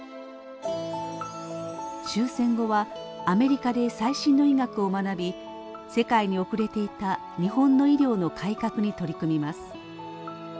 終戦後はアメリカで最新の医学を学び世界に後れていた日本の医療の改革に取り組みます。